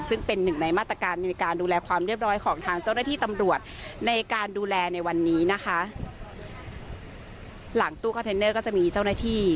ซึ่งเป็นหนึ่งในมาตรการในการดูแลความเรียบร้อยของทางเจ้าหน้าที่ตำรวจในการดูแลในวันนี้นะคะหลังตู้คอนเทนเนอร์ก็จะมีเจ้าหน้าที่